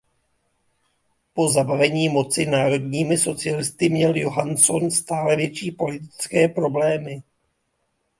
Po "zabavení moci" národními socialisty měl Johansson stále větší politické problémy.